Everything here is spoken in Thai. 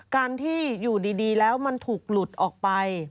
การที่อยู่ดีแล้วมันถูกหลุดออกไป